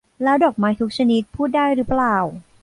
แล้วดอกไม้ทุกชนิดพูดได้หรือเปล่า ?